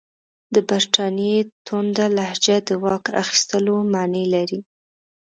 د برټانیې تونده لهجه د واک اخیستلو معنی لري.